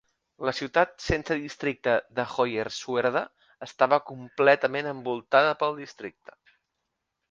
La ciutat sense districte de Hoyerswerda estava completament envoltada pel districte.